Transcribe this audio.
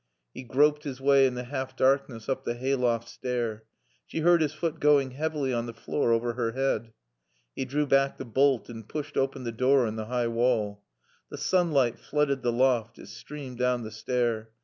He groped his way in the half darkness up the hay loft stair. She heard his foot going heavily on the floor over her head. He drew back the bolt and pushed open the door in the high wall. The sunlight flooded the loft; it streamed down the stair.